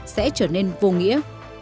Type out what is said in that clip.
sẽ trở nên vô nghĩa